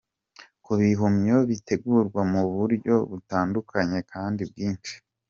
com ko ibihumyo bitegurwa mu buryo butandukanye kandi bwinshi.